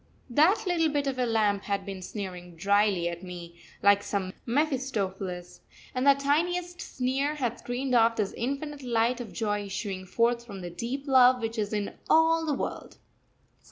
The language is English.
That little bit of a lamp had been sneering drily at me, like some Mephistopheles: and that tiniest sneer had screened off this infinite light of joy issuing forth from the deep love which is in all the world.